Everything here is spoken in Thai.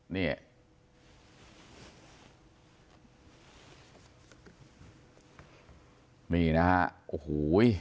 นี่นะฮะโอ้โห